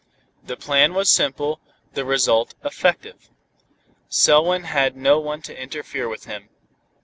The plan was simple, the result effective. Selwyn had no one to interfere with him.